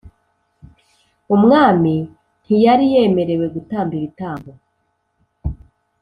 Umwami ntiyari yemerewe gutamba ibitambo